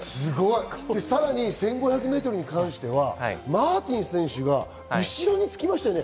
さらに１５００ｍに関しては、マーティン選手が後ろに着きましたよね。